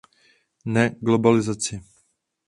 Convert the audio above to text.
Ne globalizaci!